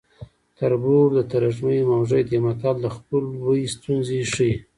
تربور د ترږمې موږی دی متل د خپلوۍ ستونزې ښيي